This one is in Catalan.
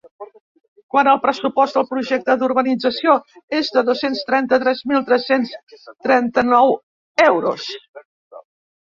Quant al pressupost del projecte d’urbanització és de dos-cents trenta-tres mil tres-cents trenta-nou euros.